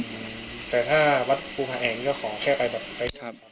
แต่ถ้าวัดภูภแอร์คือก็คอแค่ไปที่ครับ